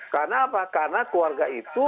karena apa karena keluarga itu